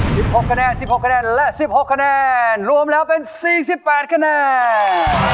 หกคะแนนสิบหกคะแนนและสิบหกคะแนนรวมแล้วเป็นสี่สิบแปดคะแนน